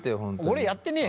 俺やってねえよ！